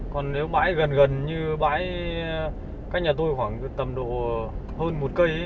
còn nếu bãi gần gần như bãi cách nhà tôi khoảng tầm độ hơn một cây